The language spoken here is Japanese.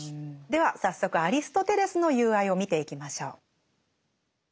では早速アリストテレスの「友愛」を見ていきましょう。